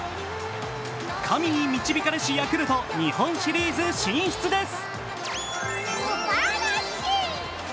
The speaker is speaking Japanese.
神に導かれしヤクルト、日本シリーズ進出です。